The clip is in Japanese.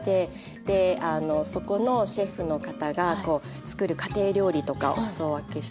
でそこのシェフの方が作る家庭料理とかお裾分けしてもらったり。